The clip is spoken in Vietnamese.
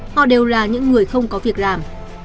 họ đều là những người không có việc làm